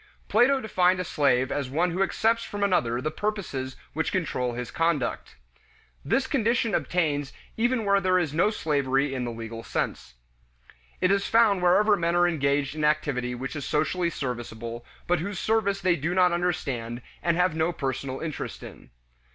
Plato defined a slave as one who accepts from another the purposes which control his conduct. This condition obtains even where there is no slavery in the legal sense. It is found wherever men are engaged in activity which is socially serviceable, but whose service they do not understand and have no personal interest in.